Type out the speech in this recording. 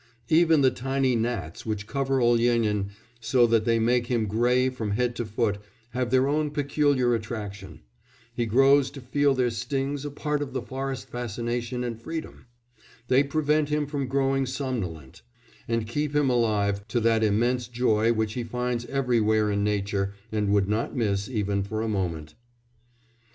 Even the tiny gnats which cover Olyénin so that they make him grey from head to foot, have their own peculiar attraction; he grows to feel their stings a part of the forest fascination and freedom; they prevent him from growing somnolent, and keep him alive to that immense joy which he finds everywhere in nature and would not miss even for a moment.